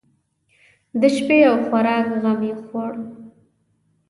د شپې او خوراک غم یې خوړ.